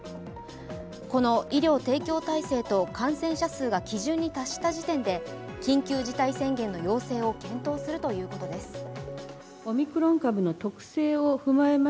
この医療提供体制と感染者数が基準に達した時点で緊急事態宣言の要請を検討するということです。